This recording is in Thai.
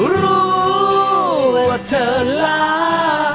รู้ว่าเธอลา